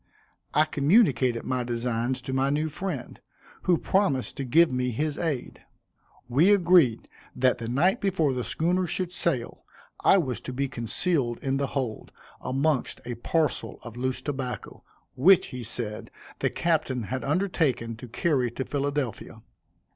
I communicated my designs to my new friend, who promised to give me his aid. We agreed that the night before the schooner should sail, I was to be concealed in the hold, amongst a parcel of loose tobacco, which, he said, the captain had undertaken to carry to Philadelphia.